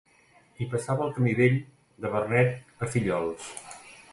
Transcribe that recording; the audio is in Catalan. Hi passava el Camí Vell de Vernet a Fillols.